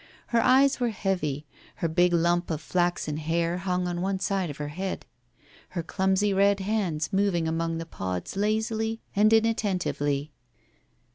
Her eyes were heavy ; her big lump of flaxen hair hung on one side of her head ; her clumsy red hands moved among the pods lazily and inattentively.